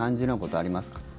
あります。